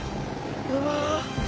うわ！